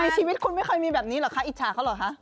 ชีวิตคุณไม่เคยมีแบบนี้เหรอคะอิจฉาเขาเหรอคะ